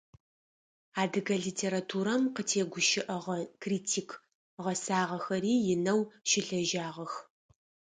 Адыгэ литературэм къытегущыӏэгъэ критик гъэсагъэхэри инэу щылэжьагъэх.